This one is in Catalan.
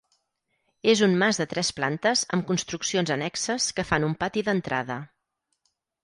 És un mas de tres plantes amb construccions annexes que fan un pati d'entrada.